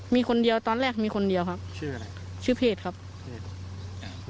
มีคนเดียวตอนแรกมีคนเดียวครับชื่ออะไรชื่อเพศครับเพศอ่า